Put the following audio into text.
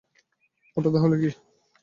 ওটা তাহলে কী?